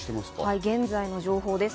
現在の情報です。